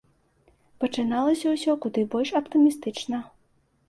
Пачыналася ўсё куды больш аптымістычна.